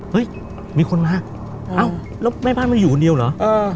เฮ้ยมีคนมาอ้าวแล้วแม่บ้านไม่อยู่คนเดียวเหรอเออ